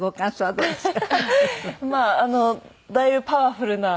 そうですか。